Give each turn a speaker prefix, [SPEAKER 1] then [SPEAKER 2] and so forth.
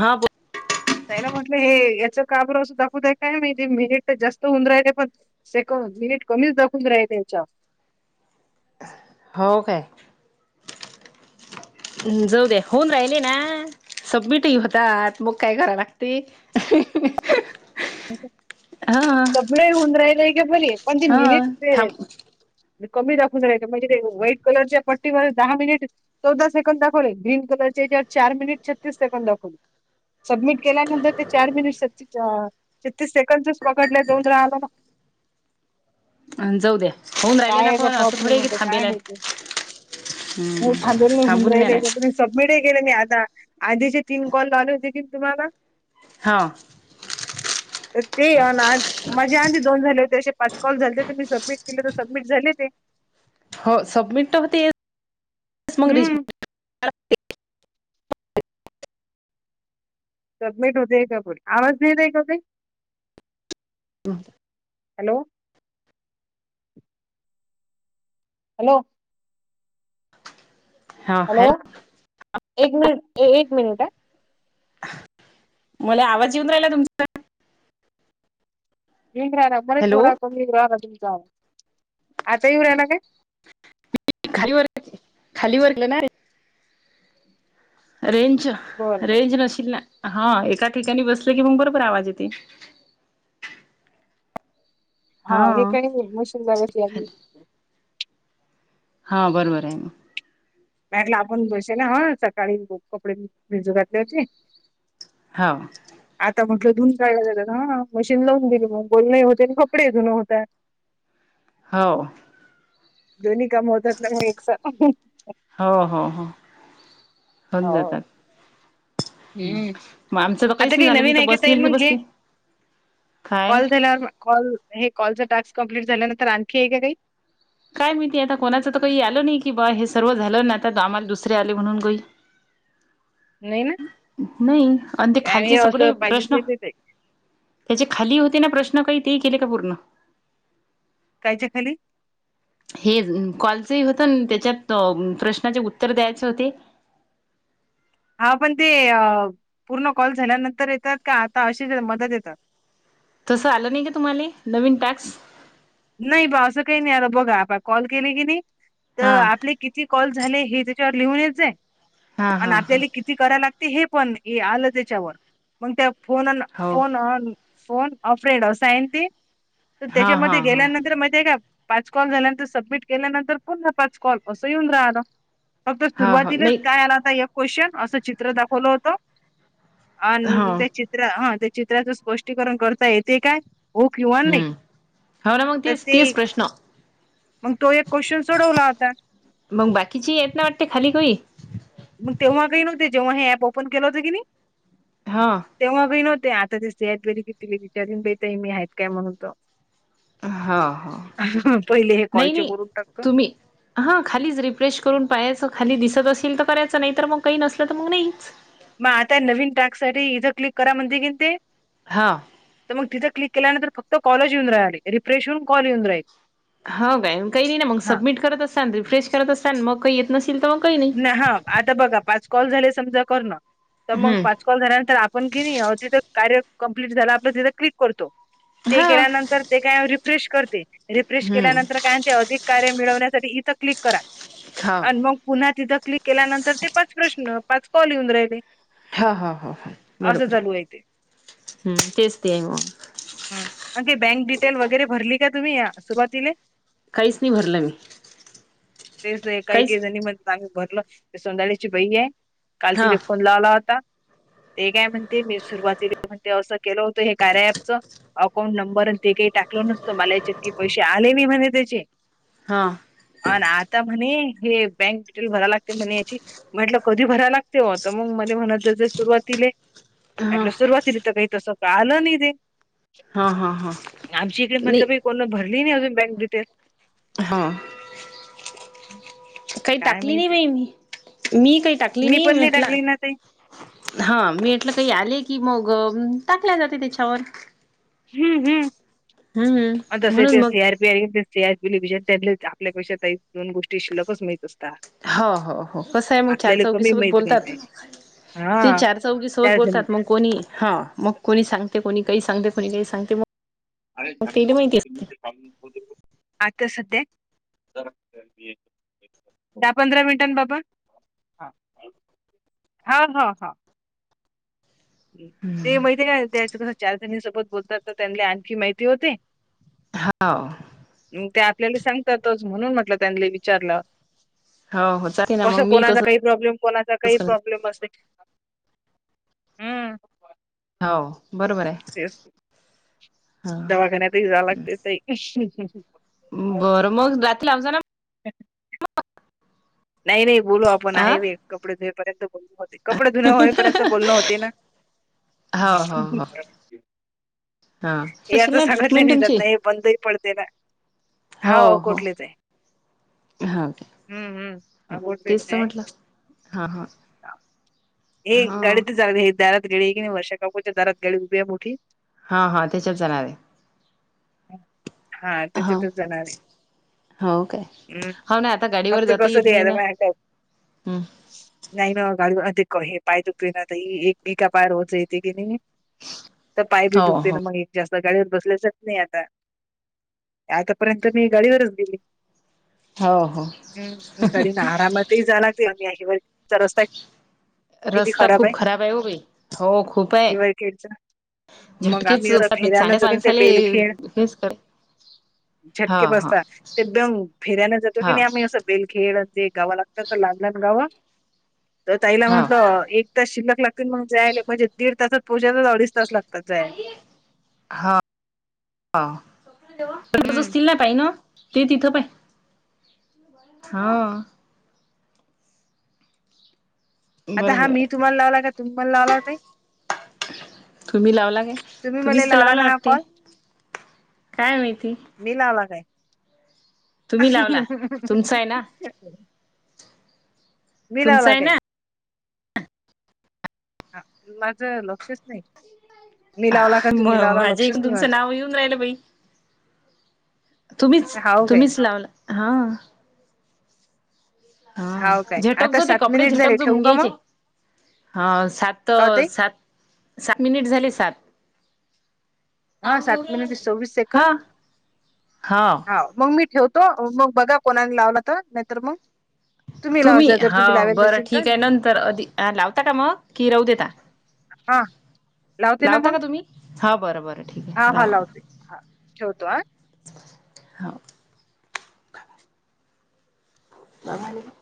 [SPEAKER 1] हा बोल.
[SPEAKER 2] त्याला म्हटलं हे याच का बर असं दाखवतय, काय माहिती. मिनिट तर जास्त होऊन राहिले पण. सेकंद मिनिट कमीच दाखवून राहील त्यांच्यावर.
[SPEAKER 1] हो काय? हम्म जाऊ दे होऊन राहिले ना. सबमिटही होतात, मग काय करा लागते. हा
[SPEAKER 2] सगळ होऊन राहिलंय आहे का बरी, पण ते मिनट ते
[SPEAKER 1] थांब
[SPEAKER 2] कमी दाखवून राहीले म्हणजे ते व्हाईट कलरच्या पट्टीवर दहा मिनिट चौदा सेकंड दाखवले. ग्रीन कलरच्या याच्यावर चार मिनट छतीस सेकंद दाखवले. सबमिट केल्यानंतर ते चार मिनिट छत्ती अं छत्तीस सेकंडच पकडल्या जाऊन राहिला मग.
[SPEAKER 1] आन जाऊ द्या होऊन राहिले
[SPEAKER 2] काय
[SPEAKER 1] ना
[SPEAKER 2] याचा
[SPEAKER 1] पण असं
[SPEAKER 2] प्रॉब्लेम
[SPEAKER 1] थोडे आहे की
[SPEAKER 2] होते काय
[SPEAKER 1] थांबेल आहे.
[SPEAKER 2] माहिती नाही
[SPEAKER 1] हम्म
[SPEAKER 2] थांबेल होऊन
[SPEAKER 1] थांबून नाही राहीले.
[SPEAKER 2] राहिल सबमिटही केलं मी आता. आधीचे तीन कॉल लावले होते तिनं तुम्हाला.
[SPEAKER 1] हा.
[SPEAKER 2] तर ते आणि आज माझे आणि दोन झाले होते असे पाच कॉल झालते. तर मी सबमिट केले तर सबमिट झाले ते.
[SPEAKER 1] हो सबमिट होते
[SPEAKER 2] हम्म.
[SPEAKER 1] [unintelligible]
[SPEAKER 2] सबमिट होतेय का पुढे? आवाज नाही येत आहे का ताई?
[SPEAKER 1] [unintelligible]
[SPEAKER 2] हॅलो. Hello hello. एक मिनिट एक मिनिट हा.
[SPEAKER 1] मले आवाज येेऊन राहिला तुमचा.
[SPEAKER 2] भंग राह मणे
[SPEAKER 1] हॅलो
[SPEAKER 2] थडा कमींग राहंग आता ये राह ना काय [unintelligible]
[SPEAKER 1] खाली वर खाली वर [unintelligible] ना मी. रेंज
[SPEAKER 2] बरं बरं.
[SPEAKER 1] रेंज नशील ना. हा एका ठिकाणी बसले की मग बरोबर आवाज येते.
[SPEAKER 2] हा हे काही मशीन [unintelligible] लावली होती.
[SPEAKER 1] हा बरोबर आहे मग.
[SPEAKER 2] म्हंटला आपण [unintelligible] हा सकाळी कपडे भिजू घातले होते.
[SPEAKER 1] हौ.
[SPEAKER 2] आता म्हटलं धुण [unintelligible] हा मशीन लावून गेली मग बोलण होते आणि कपडे धुणं होतात.
[SPEAKER 1] हो.
[SPEAKER 2] दोन्ही काम होतात ना मग एक साथ.
[SPEAKER 1] हो हो हो. होऊन
[SPEAKER 2] हो.
[SPEAKER 1] जातात. हम्म. मग आमचं तर काहीच
[SPEAKER 2] आता
[SPEAKER 1] नाही
[SPEAKER 2] काही
[SPEAKER 1] झालं. मी
[SPEAKER 2] नवीन
[SPEAKER 1] तर
[SPEAKER 2] आहे का ताई
[SPEAKER 1] बसलेल की
[SPEAKER 2] मग हे?
[SPEAKER 1] बसली. काय?
[SPEAKER 2] कॉल झाल्यावर कॉल हे कॉलच टास्क कंप्लीट झाल्यानंतर आणखी आहे का काही?
[SPEAKER 1] काय माहिती आता कोणाचं तर काही आल नाही. की बा हे सर्व झालं ना, आता आम्हाला दुसरे आले म्हणून काही.
[SPEAKER 2] नाही ना?
[SPEAKER 1] नाही आणि ते
[SPEAKER 2] हे
[SPEAKER 1] खालचे
[SPEAKER 2] असं
[SPEAKER 1] सगळे
[SPEAKER 2] पाहिजेच
[SPEAKER 1] प्रश्न
[SPEAKER 2] नाही ते ते
[SPEAKER 1] त्याचे खाली होते ना प्रश्न काही ते केले का पूर्ण?
[SPEAKER 2] कायच्या खाली?
[SPEAKER 1] हे कॉलच होत न त्याच्यात प्रश्नाचे उत्तर द्यायचे होते.
[SPEAKER 2] हा पण ते पूर्ण कॉल झाल्यानंतर येतात का आता अशीच मधेच येतात?
[SPEAKER 1] तसं आलं नाही का तुम्हाला नवीन टाक्स?
[SPEAKER 2] नाही बा असं काही नाही आला बघा आप कॉल केले की नाही
[SPEAKER 1] हा
[SPEAKER 2] तर आपली किती कॉल झाले हे त्याच्यावर लिहूनच आहे
[SPEAKER 1] हा हा
[SPEAKER 2] आणि
[SPEAKER 1] हा
[SPEAKER 2] आपल्याला की ती कराय लागते हे पण आलं त्याच्यावर मग त्या फोन
[SPEAKER 1] हो
[SPEAKER 2] फोनंन अ फोन अ फ्रेंड सायंती तर
[SPEAKER 1] हा
[SPEAKER 2] त्याच्यामध्ये
[SPEAKER 1] हा हा
[SPEAKER 2] माहित आहे का पाच कॉल झाल्यानंतर सबमिट केल्यानंतर पुन्हा पाच कॉल असं येऊन राहिल. फक्त
[SPEAKER 1] हा हो
[SPEAKER 2] सुरुवातीलाच
[SPEAKER 1] नाही
[SPEAKER 2] काय आलाता एक क्वेश्चन असं चित्र दाखवलं होतं
[SPEAKER 1] हा
[SPEAKER 2] आणि त्या चित्र हा त्या चित्राचं स्पष्टीकरण करता येते काय? हो किंवा नाही.
[SPEAKER 1] हम्म हो ना मग
[SPEAKER 2] तर
[SPEAKER 1] तेच
[SPEAKER 2] ते
[SPEAKER 1] तेच प्रश्न
[SPEAKER 2] मग तो एक क्वेशचन सोडवला होता.
[SPEAKER 1] मग, बाकीची येत नाही वाटते खाली [unintelligible]
[SPEAKER 2] मग तेव्हा काही नव्हते जेव्हा हे ऍप ओपन केलं होत की नाही
[SPEAKER 1] हां.
[SPEAKER 2] तेव्हा बी नव्हते आता दिसते आहेत बरी कितीली विचारून बेता मी आहेत काय म्हणूनतो
[SPEAKER 1] हा हा
[SPEAKER 2] पहिले हे
[SPEAKER 1] नाही
[SPEAKER 2] कॉलचे
[SPEAKER 1] नाही
[SPEAKER 2] करून टाकतो.
[SPEAKER 1] तुम्ही हा खालीच रिफ्रेश करून पाहाचं खाली दिसत असेल तर करायचं नाही तर मग काही नसलं तर मग नाहीच.
[SPEAKER 2] मग आता नवीन टास्क साठी इथं क्लिक करा म्हणते कीन ते.
[SPEAKER 1] हा.
[SPEAKER 2] तर मग तिथ क्लिक केल्यानंतर फक्त कॉलच येऊन राणार रिफ्रेशवरून कॉल येऊन राहील.
[SPEAKER 1] हौ काय काही नाही ना मग
[SPEAKER 2] हा
[SPEAKER 1] सबमिट करत असताना रिफ्रेश करत असताना मग काही येत नसेल तर मग काही नाही.
[SPEAKER 2] हा. आता बघा पाच कॉल झाले समजा करण मग पाच
[SPEAKER 1] हम्म
[SPEAKER 2] कॉल झाल्यानंतर आपण की नयी तिथं कार्य कम्प्लीट झालं आपलं तिथं क्लिक करतो. ते
[SPEAKER 1] हा
[SPEAKER 2] केल्यानंतर ते काय रिफ्रेश करते रिफ्रेश
[SPEAKER 1] हम्म
[SPEAKER 2] केल्यानंतर अधिक कार्य मिळण्यासाठी इथ क्लिक करा
[SPEAKER 1] हा
[SPEAKER 2] आणि मग पुन्हा तिथं क्लिक केल्यानंतर ते पाच प्रश्न, पाच कॉल येऊन राहिले.
[SPEAKER 1] ह ह ह ह
[SPEAKER 2] असं
[SPEAKER 1] बरोबर
[SPEAKER 2] चालू ते
[SPEAKER 1] आहे तेच ते आहे मग.
[SPEAKER 2] हं. आणखी बँक डिटेल वगैरे भरली का तुम्ही या सुरुवातीले?
[SPEAKER 1] काहीच नाही भरलं मी.
[SPEAKER 2] तेच काही के
[SPEAKER 1] काहीच
[SPEAKER 2] जणी म्ही [unintelligible] भरलं सोधाळची बई आहे. काल
[SPEAKER 1] हा
[SPEAKER 2] तिथे फोन लावला होता. ते काय म्हणते मी सुरुवातीला म्हणते असं केलं होतं हे कार्या ॲप्सच. अकाउंट नंबर ते काही टाकलो नसतो मला याच्यात की पैसे आले नाही म्हणे त्याचे.
[SPEAKER 1] हा.
[SPEAKER 2] अ ना आता म्हणे हे बँक भराय लागते म्हणे याची म्हटलं कधी भराय लागते होत तर मग मले म्हणत ज जर सुरवातीले
[SPEAKER 1] हा
[SPEAKER 2] आलं सुरुवातला तर काही तस आल नाही
[SPEAKER 1] हा हा हा
[SPEAKER 2] आमची इकडे
[SPEAKER 1] नाही
[SPEAKER 2] म्हतलब कोण भरली नाही अजून बँक डिटेल.
[SPEAKER 1] हां. काही
[SPEAKER 2] काय
[SPEAKER 1] टाकली नाही
[SPEAKER 2] माहिती
[SPEAKER 1] बाई मी मी काही टाकली
[SPEAKER 2] मी
[SPEAKER 1] नाही
[SPEAKER 2] पण
[SPEAKER 1] म्हटलं
[SPEAKER 2] टाकली ना ताई
[SPEAKER 1] हा मी म्हटलं काही आले की मग टाकल्या जाते त्याच्यावर.
[SPEAKER 2] हम्म हम् मग
[SPEAKER 1] हम्म
[SPEAKER 2] तस
[SPEAKER 1] म्हणून
[SPEAKER 2] ते
[SPEAKER 1] मग
[SPEAKER 2] सिआर च [unintelligible] आपल्यापेक्षा दोन गोष्टील्लकच माहिती
[SPEAKER 1] हो हो हो कसं आहे मग चार
[SPEAKER 2] आपल्याला
[SPEAKER 1] चौघी
[SPEAKER 2] कमी
[SPEAKER 1] सोबत
[SPEAKER 2] माहित
[SPEAKER 1] बोलतात.
[SPEAKER 2] राहते
[SPEAKER 1] ती
[SPEAKER 2] हा
[SPEAKER 1] चार चौघी सोबत
[SPEAKER 2] त्याजन्य
[SPEAKER 1] बोलतात मंग कोणी ह मग कोणी सांगते, कोणी काही सांगते कोणी काही सांगते मग. मग तेले माहिती
[SPEAKER 2] आता सध्या दहा पंधरा मिनिटांन बाबा हा हा हा. ते माहितीय आहे काय त्याचा कसं चारजणीन सोबत बोलतात तर त्यांना आणखी माहिती होते.
[SPEAKER 1] हाव
[SPEAKER 2] ते आपल्याला सांगतातच म्हणून म्हटलं त्यांनले विचारलं.
[SPEAKER 1] हो हो चालते ना मग
[SPEAKER 2] कसं
[SPEAKER 1] मी
[SPEAKER 2] कोणाचा
[SPEAKER 1] तसच
[SPEAKER 2] काही प्रॉब्लेम कोणाचा काही
[SPEAKER 1] करत
[SPEAKER 2] प्रॉब्लेम असेल.
[SPEAKER 1] हाव बरोबर आहे.
[SPEAKER 2] एस दवाखान्यातही जावं लागते ताई.
[SPEAKER 1] बरं मग राती लावजाना
[SPEAKER 2] ह [inaudible] नाही रे बोलू आपण
[SPEAKER 1] हा
[SPEAKER 2] आहे वेळ कपडे धुयेपर्यंत बोलू होते. कपडे धुने होईपर्यंत बोलणं होते ना.
[SPEAKER 1] हो हो हो हा
[SPEAKER 2] याच
[SPEAKER 1] कशील ना
[SPEAKER 2] सांगितले
[SPEAKER 1] ट्रीटमेंट
[SPEAKER 2] नाही जात
[SPEAKER 1] तुमची
[SPEAKER 2] ना हे बंदही पडते ना. हाव कोटलेच आहे.
[SPEAKER 1] हां
[SPEAKER 2] हम्म हम्म.
[SPEAKER 1] हां
[SPEAKER 2] अकोटलेच
[SPEAKER 1] तेच तर
[SPEAKER 2] आहे.
[SPEAKER 1] म्हटलं हां हां.
[SPEAKER 2] हे गाडीत झाली दारात गाडी आहे क नाही वर्षा काकूच्या दारात गाडी उभी आहे मोठी.
[SPEAKER 1] हा हा त्याच्यात जाणार आहे.
[SPEAKER 2] हा त्याच्यातच जाणार आहे.
[SPEAKER 1] हो काय?
[SPEAKER 2] हम्
[SPEAKER 1] हो ना आता गाडीवर
[SPEAKER 2] फक्त
[SPEAKER 1] जाता
[SPEAKER 2] कस
[SPEAKER 1] येत नाही ना हम्म
[SPEAKER 2] [unintelligible] नाही बाबा गाडी अ ते क हे पाय दुखतोय ना ताई एक बी का पाय रोच येते की नाही. तर पाय बी
[SPEAKER 1] हो
[SPEAKER 2] दुखते
[SPEAKER 1] हो.
[SPEAKER 2] ना मगे. जास्त गाडीवर बसल्याच जात नाही आता आतापर्यंत मी गाडीवरच गेली.
[SPEAKER 1] हो हो.
[SPEAKER 2] हम्म तळी ना आरामात ही जायला लागते आम्ही [unintelligible] रस्ता
[SPEAKER 1] रस्ता खूप खराब आहे हो बाई हो खूप आहे.
[SPEAKER 2] [unintelligible] मग
[SPEAKER 1] झटकेच
[SPEAKER 2] आम्ही असं फेऱ्यानं
[SPEAKER 1] चांगल्या
[SPEAKER 2] जातो की ते
[SPEAKER 1] माणसाले
[SPEAKER 2] बेलखेड
[SPEAKER 1] हेच कर. हा
[SPEAKER 2] झटके
[SPEAKER 1] हा.
[SPEAKER 2] बसता ते एकदम फिरायनं जातो की
[SPEAKER 1] हा
[SPEAKER 2] नाही आम्ही असं बेलखेळ असते गावा लागतात तर लागलान गावं. तर ताईला
[SPEAKER 1] हा
[SPEAKER 2] म्हटलं एक तास शिल्लक लागतील मग जायला म्हणजे दीड तासात पोचायलाच अडीच तास लागतात जाय.
[SPEAKER 1] हा [unintelligible]
[SPEAKER 2] हं,
[SPEAKER 1] असतील ना. पाय ना ते तिथे पाय.
[SPEAKER 2] आता हा
[SPEAKER 1] बरोबर
[SPEAKER 2] मी
[SPEAKER 1] आहे
[SPEAKER 2] तुम्हाला लावला का? तुम्ही मला लावला व ताई.
[SPEAKER 1] तुम्ही लावला काय?
[SPEAKER 2] तुम्ही मला
[SPEAKER 1] तुम्हीच तर
[SPEAKER 2] लावला
[SPEAKER 1] लावलं
[SPEAKER 2] ना हा
[SPEAKER 1] वाटते
[SPEAKER 2] कॉल?
[SPEAKER 1] काय माहिती.
[SPEAKER 2] मी लावला काय?
[SPEAKER 1] तुम्ही लावला तुमचा आहे ना?
[SPEAKER 2] मी
[SPEAKER 1] तुमचं
[SPEAKER 2] लावला
[SPEAKER 1] आहे
[SPEAKER 2] काय?
[SPEAKER 1] ना
[SPEAKER 2] हा कुणाचं लक्षच नाही. मी लावला का
[SPEAKER 1] म
[SPEAKER 2] तुम्ही लावला
[SPEAKER 1] माझ्या
[SPEAKER 2] लक्षच
[SPEAKER 1] इकूण
[SPEAKER 2] नाही
[SPEAKER 1] तुमचं
[SPEAKER 2] माझं
[SPEAKER 1] नाव येऊन राहिलं बाई. तुम्हीच
[SPEAKER 2] हाव काय
[SPEAKER 1] तुम्हीच लावल हा. हा
[SPEAKER 2] हाव काय आता
[SPEAKER 1] झटकजो ते
[SPEAKER 2] सात
[SPEAKER 1] कपडे
[SPEAKER 2] मिनिट झाले
[SPEAKER 1] झटकजो
[SPEAKER 2] ठेवू का
[SPEAKER 1] मुंग्यायचे.
[SPEAKER 2] मग
[SPEAKER 1] हा
[SPEAKER 2] का
[SPEAKER 1] सात्तं
[SPEAKER 2] ताई
[SPEAKER 1] सात सात मिनिट झाले सात.
[SPEAKER 2] हा सात मिनिट सव्वीस सेकंद
[SPEAKER 1] हा हा
[SPEAKER 2] मग मी ठेवतो मग बघा कोणाने लावलं तर नाहीतर मग. लावा
[SPEAKER 1] तुम्ही
[SPEAKER 2] जर
[SPEAKER 1] हा
[SPEAKER 2] लावेल
[SPEAKER 1] बरं
[SPEAKER 2] नसेल तर
[SPEAKER 1] ठीक आहे नंतर अधी आ लावता का मग कि राहू देता?
[SPEAKER 2] हा लावते ना
[SPEAKER 1] लावता
[SPEAKER 2] मग
[SPEAKER 1] का तुम्ही हाव बरं बरं ठीक
[SPEAKER 2] हा
[SPEAKER 1] आहे
[SPEAKER 2] हा
[SPEAKER 1] लावा.
[SPEAKER 2] लावते हा ठेवतो आं.
[SPEAKER 1] हो दमाने